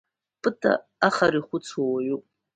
Пыта ахара ихәыцуа уаҩуп.